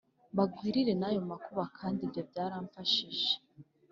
Bagwiririwe n ayo makuba kandi ibyo byaramfashije